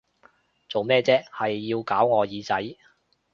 做咩啫，係要搞我耳仔！